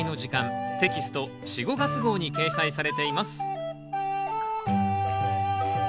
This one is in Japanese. テキスト４・５月号に掲載されています